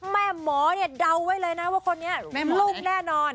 แม่หมอนี่ดาวไว้เลยนะว่าคนนี้ลุกแน่นอน